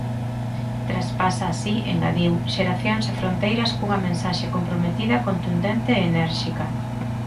Traspasa así, engadiu, xeracións e fronteiras cunha mensaxe comprometida, contundente e enérxica.